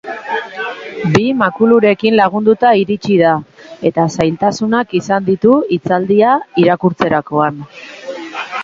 Bi makulurekin lagunduta iritsi da, eta zailtasunak izan ditu hitzaldia irakurtzerakoan.